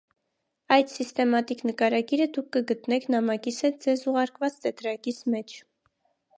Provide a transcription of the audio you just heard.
Այդ սիստեմատիկ նկարագիրը դուք կգտնեք նամակիս հետ ձեզ ուղարկված տետրակիս մեջ: